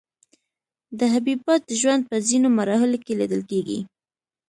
دا حبیبات د ژوند په ځینو مرحلو کې لیدل کیږي.